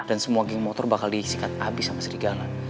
dan semua geng motor bakal disikat abis sama serigala